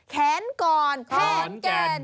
แขนกรแขนแกน